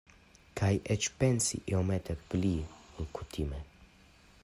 Kaj eĉ pensi iomete pli ol kutime.